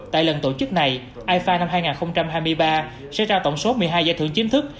tại lần tổ chức này ifa năm hai nghìn hai mươi ba sẽ trao tổng số một mươi hai giải thưởng chính thức